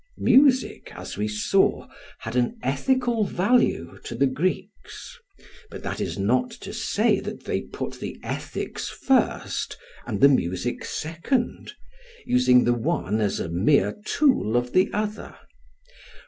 Music, as we saw, had an ethical value to the Greeks; but that is not to say that they put the ethics first, and the music second, using the one as a mere tool of the other.